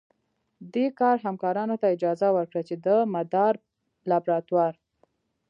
دې کار همکارانو ته اجازه ورکړه چې د مدار لابراتوار